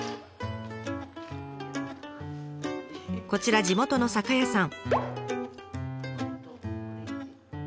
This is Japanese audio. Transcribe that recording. こちら地元の酒屋さん。